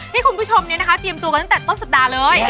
ให้คุณผู้ชมนี้นะคะเตรียมตัวกันตั้งแต่ต้นสัปดาห์เลย